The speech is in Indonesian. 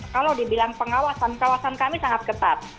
kalau dibilang pengawasan kawasan kami sangat ketat